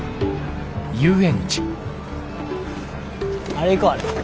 あれ行こあれ。